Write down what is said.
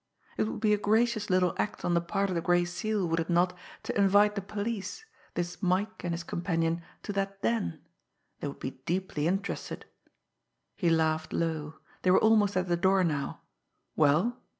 it would be a gracious little act on the part of the Gray Seal, would it not, to invite the police, this Mike and his companion, to that den they would be deeply interested! He laughed low they were almost at the door now. Well?